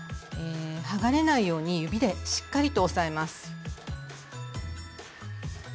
剥がれないように指でしっかりと押さえます。